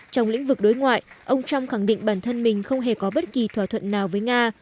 trong lĩnh vực đối ngoại ông trump khẳng định bản thân mình không hề có bất kỳ thỏa thuận nào với nga